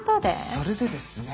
それでですね